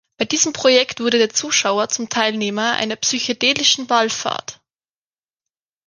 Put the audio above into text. Bei diesem Projekt wurde der Zuschauer zum Teilnehmer einer „psychedelischen Wallfahrt“.